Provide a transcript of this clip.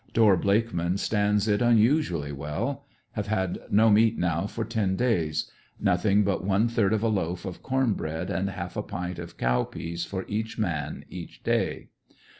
Dorr Blakeman stands it unusually well. Have had no meat now for ten days; nothing but one third of a loaf of corn bread and half a pint of cow peas for each man, each day.